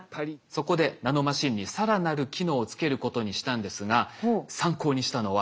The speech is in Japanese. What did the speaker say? そこでナノマシンに更なる機能をつけることにしたんですが参考にしたのは意外なものでした。